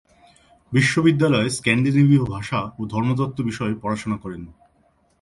বিশ্ববিদ্যালয়ে স্ক্যান্ডিনেভীয় ভাষা ও ধর্মতত্ত্ব বিষয়ে পড়াশোনা করেন।